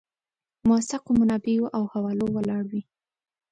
موثقو منابعو او حوالو ولاړ وي.